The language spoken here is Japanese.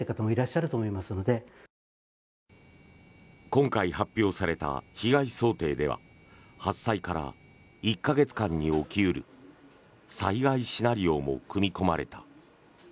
今回、発表された被害想定では発災から１か月間に起き得る災害シナリオも組み込まれた。